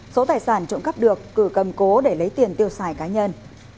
số tài sản trộm cắp được cử cầm cố để lấy tiền tiêu xài cá nhân